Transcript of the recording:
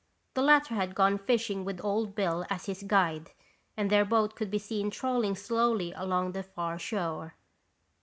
The latter had gone fishing with Old Bill as his guide, and their boat could be seen trolling slowly along the far shore.